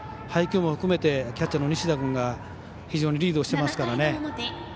配球も含めてキャッチャーの西田君が非常にリードしてますからね。